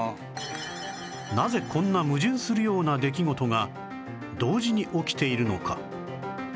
なぜこんな矛盾するような出来事が同時に起きているのか？